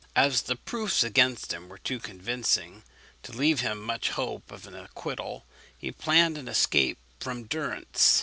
As the proofs against him were too convincing to leave him much hope of an acquittal, he planned an escape from durance.